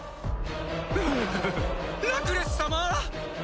ラクレス様！